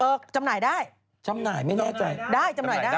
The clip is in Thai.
เออจำหน่ายได้ไม่แน่ใจ